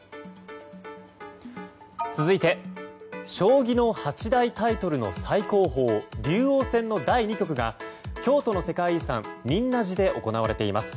続いて将棋の八大タイトルの最高峰竜王戦の第２局が京都の世界遺産、仁和寺で行われています。